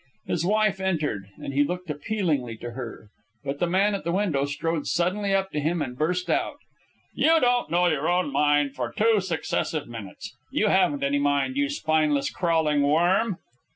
His wife entered, and he looked appealingly to her; but the man at the window strode suddenly up to him and burst out "You don't know your own mind for two successive minutes! You haven't any mind, you spineless, crawling worm!"